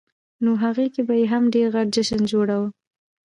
نوهغې کې به یې هم ډېر غټ جشن جوړاوه.